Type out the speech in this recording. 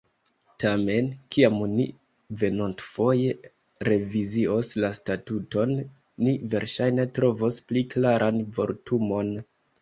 Tamen, kiam ni venontfoje revizios la Statuton, ni verŝajne trovos pli klaran vortumon.